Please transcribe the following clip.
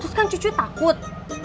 terus kan cucu takutnya ya